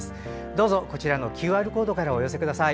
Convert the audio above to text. どうぞこちらのＱＲコードからお寄せください。